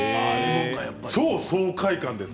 超爽快感です。